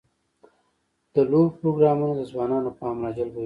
د لوبو پروګرامونه د ځوانانو پام راجلبوي.